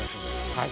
はい。